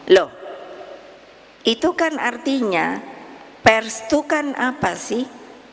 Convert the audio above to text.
loh itu kan artinya pers itu kan apa sih